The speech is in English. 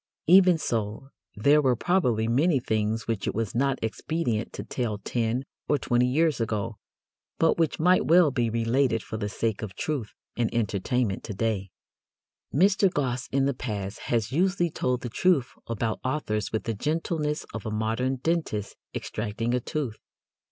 Even so, there were probably many things which it was not expedient to tell ten or twenty years ago, but which might well be related for the sake of truth and entertainment to day. Mr. Gosse in the past has usually told the truth about authors with the gentleness of a modern dentist extracting a tooth.